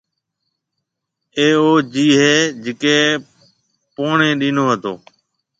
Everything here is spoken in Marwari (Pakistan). اَي او جيَ هيَ جڪَي پوڻِي ڏِينو تو۔